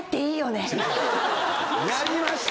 やりました！